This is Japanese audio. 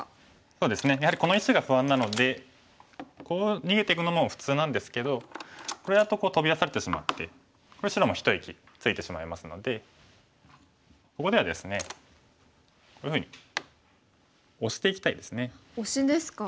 そうですねやはりこの石が不安なのでこう逃げていくのも普通なんですけどこれだとトビ出されてしまってこれ白も一息ついてしまいますのでここではですねこういうふうに押していきたいですね。押しですか。